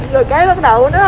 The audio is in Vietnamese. rồi cái bắt đầu nói